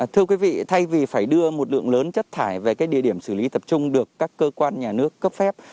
thưa quý vị thay vì phải đưa một lượng lớn chất thải về cái địa điểm xử lý tập trung được các cơ quan nhà nước cấp phép